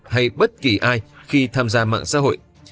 hay bất kỳ ai khi tham gia mạng xã hội